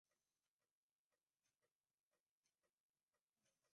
Utunukizi wa Alama katika mchezo wa soka